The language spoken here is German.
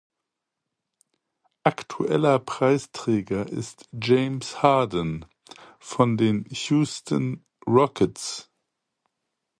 Aktueller Preisträger ist James Harden von den Houston Rockets.